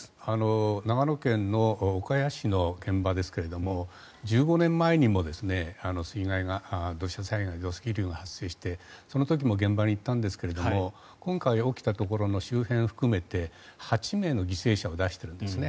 長野県岡谷市の現場ですけれども１５年前にも水害、土砂災害土石流が発生してその時も現場に行ったんですが今回起きたところの周辺を含めて８名の犠牲者を出しているんですね。